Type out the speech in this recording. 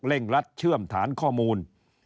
รัดเชื่อมฐานข้อมูล